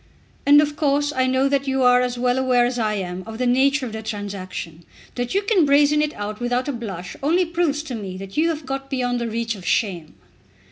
"And of course I know that you are as well aware as I am of the nature of the transaction. That you can brazen it out without a blush only proves to me that you have got beyond the reach of shame!"